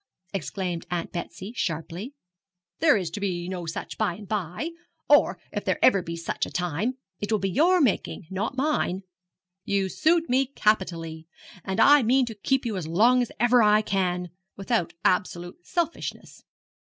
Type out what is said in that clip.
exclaimed Aunt Betsy, sharply; 'there is to be no such by and by; or, if there ever be such a time, it will be your making, not mine. You suit me capitally, and I mean to keep you as long as ever I can, without absolute selfishness.